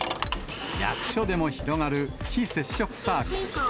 役所でも広がる非接触サービス。